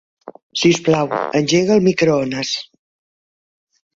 Sisplau, engega el microones.